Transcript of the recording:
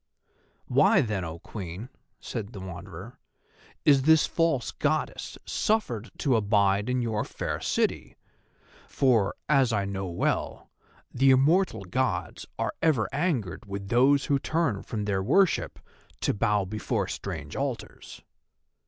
"Why then, O Queen," said the Wanderer, "is this false Goddess suffered to abide in your fair city? for, as I know well, the immortal Gods are ever angered with those who turn from their worship to bow before strange altars."